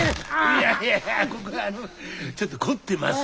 いやいやいやここがちょっと凝ってますんでなあ。